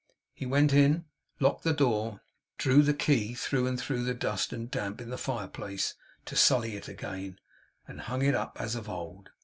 He went in, locked the door, drew the key through and through the dust and damp in the fire place to sully it again, and hung it up as of old.